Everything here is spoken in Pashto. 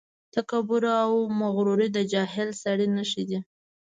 تکبر او مغروري د جاهل سړي نښې دي.